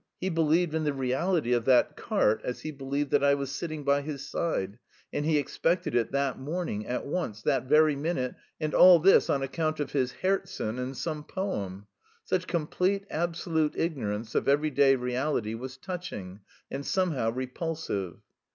He believed in the reality of that "cart" as he believed that I was sitting by his side, and he expected it that morning, at once, that very minute, and all this on account of his Herzen and some poem! Such complete, absolute ignorance of everyday reality was touching and somehow repulsive.